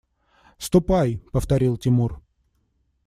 – Ступай, – повторил Тимур.